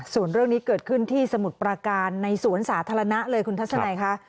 ส่วนเรื่องนี้เกิดขึ้นที่สมุทรประการในสวนสาธารณะเลยคุณทัศนัยค่ะ